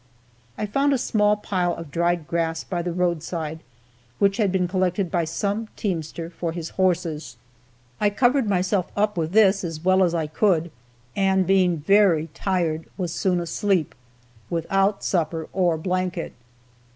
I found a small pile of dried grass by the roadside which had been collected by some teamster for his horses. I covered myself up with this as well as I could, and being very tired, was soon asleep, without supper or blanket.